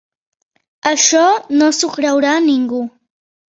Això, no s'ho creurà ningú.